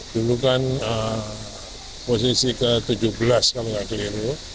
dulu kan posisi ke tujuh belas kalau nggak keliru